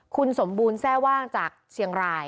คุณสมบูรณ์แทร่ว่างจากเชียงราย